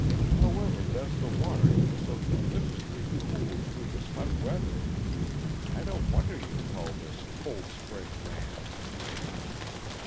"However does the water keep so deliciously cool through this hot weather? I don't wonder you call this Cold Spring Ranch."